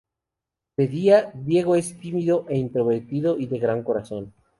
De día, Diego es tímido e introvertido y de gran corazón.